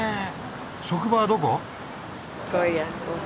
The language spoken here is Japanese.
職場はどこ？